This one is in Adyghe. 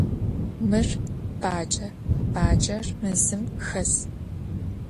Mır bace, bacer mezım xes.